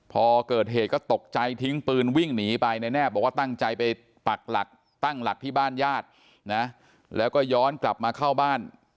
พอเกิดเหตุก็ตกใจทิ้งปืนวิ่งหนีไปในแนบบอกว่าตั้งใจไปปักหลักตั้งหลักที่บ้านญาตินะแล้วก็ย้อนกลับมาเข้าบ้าน